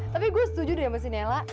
tapi gue setuju deh mas inela